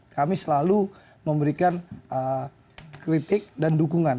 kami selalu memberikan kritik dan dukungan